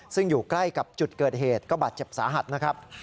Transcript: ซึ่งอยู่ใกล้กับจุดเกิดเหตุก็บาดเจ็บสาหัสนะครับ